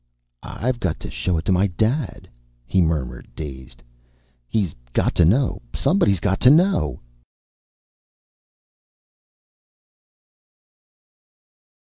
"I've got to show it to my Dad," he murmured, dazed. "He's got to know. Somebody's got to know!"